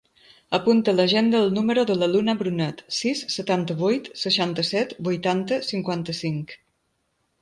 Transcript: Apunta a l'agenda el número de la Luna Brunet: sis, setanta-vuit, seixanta-set, vuitanta, cinquanta-cinc.